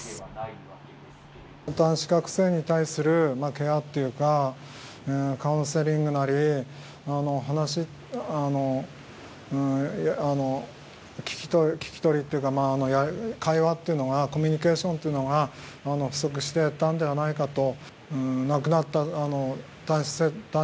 男子学生に対するケアっていうかカウンセリングなり話聞き取りっていうか会話っていうのがコミュニケーションっていうのが不足していたのではないかと。